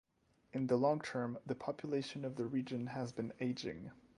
In the long term, the population of the region has been aging.